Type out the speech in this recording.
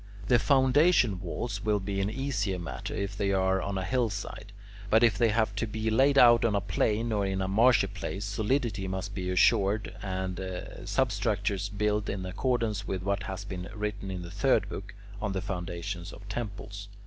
The foundation walls will be an easier matter if they are on a hillside; but if they have to be laid on a plain or in a marshy place, solidity must be assured and substructures built in accordance with what has been written in the third book, on the foundations of temples.